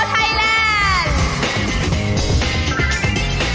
สักครู่ค่ะ